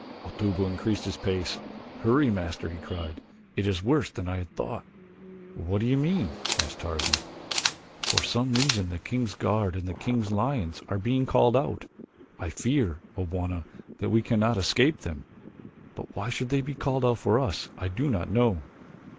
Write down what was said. Otobu increased his pace. "Hurry, Master," he cried, "it is worse than I had thought." "What do you mean?" asked Tarzan. "For some reason the king's guard and the king's lions are being called out. I fear, O Bwana, that we cannot escape them. But why they should be called out for us I do not know."